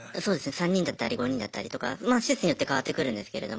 ３人だったり５人だったりとかまあ施設によって変わってくるんですけれども。